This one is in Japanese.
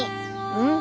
うん。